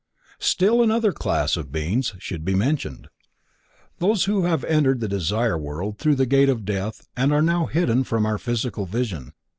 Still another class of beings should be mentioned: those who have entered the Desire World through the gate of death and are now hidden from our physical vision.